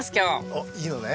おっいいのね？